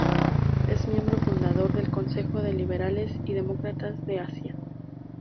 Es miembro fundador del Concejo de Liberales y Demócratas de Asia.